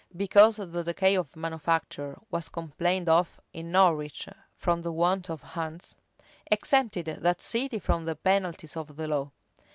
because the decay of manufactures was complained of in Norwich from the want of hands, exempted that city from the penalties of the law.